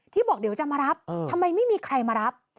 บอกเดี๋ยวจะมารับทำไมไม่มีใครมารับ